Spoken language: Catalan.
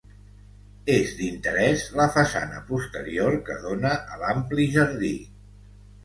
És d'interès la façana posterior que dóna a l'ampli jardí.